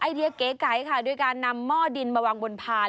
เดียเก๋ไก่ค่ะด้วยการนำหม้อดินมาวางบนพาน